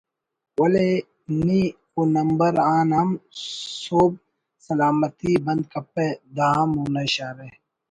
ولے نی اونمبر آن ہم سُہب سلامتی ءِ بند کپہ “ دا ہم اونا اشارہ